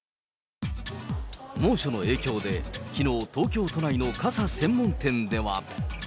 猛暑の影響で、きのう、東京都内の傘専門店では。